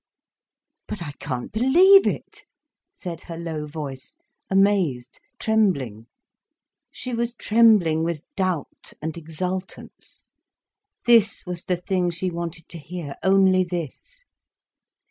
"But I can't believe it," said her low voice, amazed, trembling. She was trembling with doubt and exultance. This was the thing she wanted to hear, only this.